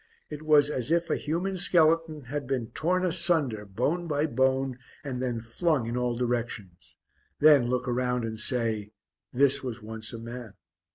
It was as if a human skeleton had been torn asunder, bone by bone, and then flung in all directions. Then, look around and say this was once a man.